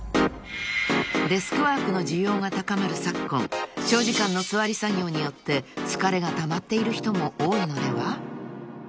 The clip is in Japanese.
［デスクワークの需要が高まる昨今長時間の座り作業によって疲れがたまっている人も多いのでは？］